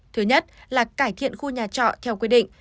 thứ nhất là cải thiện khu nhà trọ theo quy định